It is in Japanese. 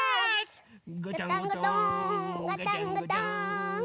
ガタンゴトーンガタンゴトーン。